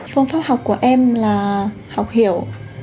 phương pháp học của em là học hiểu